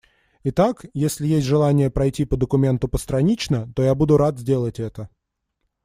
Итак, если есть желание пройти по документу постранично, то я буду рад сделать это.